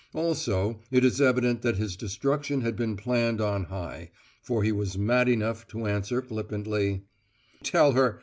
Also, it is evident that his destruction had been planned on high, for he was mad enough to answer flippantly: "Tell her!